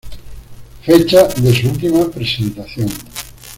Fecha de su ultima presentación.